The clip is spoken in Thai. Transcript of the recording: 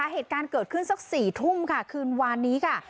เหตุการณ์เกิดขึ้นสัก๔ทุ่มค่ะคืนวานนี้ค่ะ